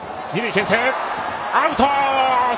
けん制アウトか。